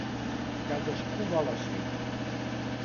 Cadascú va a la seva.